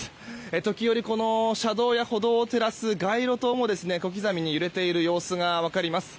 時折、車道や歩道を照らす街路灯も小刻みに揺れている様子が分かります。